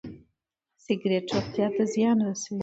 سګرټ روغتيا ته زيان رسوي.